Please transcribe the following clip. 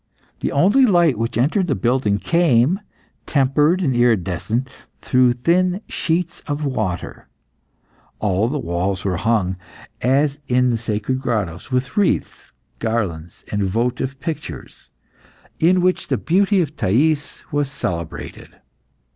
The only light which entered the building came, tempered and iridescent, through thin sheets of water. All the walls were hung as in the sacred grottoes with wreaths, garlands, and votive pictures, in which the beauty of Thais was celebrated.